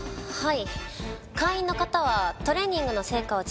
はい。